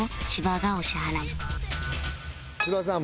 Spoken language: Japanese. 芝さん